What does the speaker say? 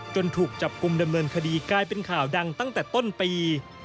ถูกจับกลุ่มดำเนินคดีกลายเป็นข่าวดังตั้งแต่ต้นปี